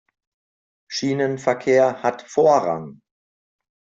Schienenverkehr hat Vorrang.